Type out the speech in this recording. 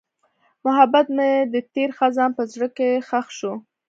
محبت مې د تېر خزان په زړه کې ښخ شو.